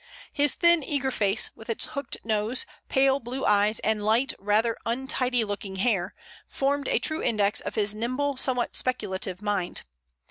His thin, eager face, with its hooked nose, pale blue eyes and light, rather untidy looking hair, formed a true index of his nimble, somewhat speculative mind.